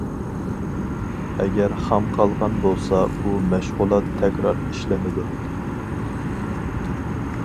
ئەگەر خام قالغان بولسا بۇ مەشغۇلات تەكرار ئىشلىنىدۇ.